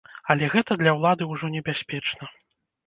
Але гэта для ўлады ўжо небяспечна.